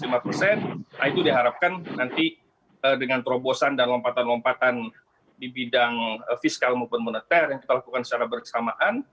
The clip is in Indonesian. nah itu diharapkan nanti dengan terobosan dan lompatan lompatan di bidang fiskal maupun moneter yang kita lakukan secara bersamaan